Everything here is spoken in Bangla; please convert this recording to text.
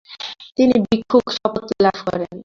তিনি ভিক্ষুর শপথ লাভ করেন।